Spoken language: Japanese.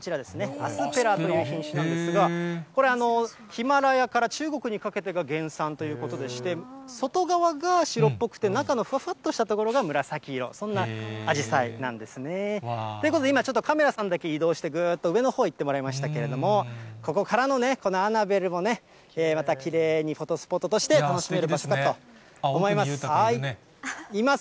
アスペラという品種なんですが、これ、ヒマラヤから中国にかけてが原産ということでして、外側が白っぽくて、中のふわふわっとしたところが紫色、そんなあじさいなんですね。ということで今、ちょっと、カメラさんだけ移動して、ぐーっと上のほうに行ってもらいましたけど、ここからのこのアナベルも、またきれいにフォトスポットとして楽しめる場所だと思います。